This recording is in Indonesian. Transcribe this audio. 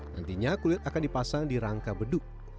nantinya kulit akan dipasang di rangka beduk